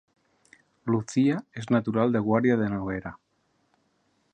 Lucía és natural de Guàrdia de Noguera